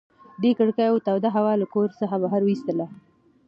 دې کړکیو توده هوا له کور څخه بهر ویستله.